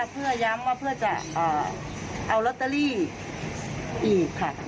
เพื่อย้ำว่าเพื่อจะเอาลอตเตอรี่อีกค่ะ